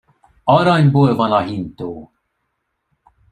Aranyból van a hintó!